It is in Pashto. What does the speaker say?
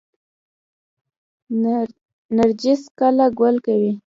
نرجس کله ګل کوي؟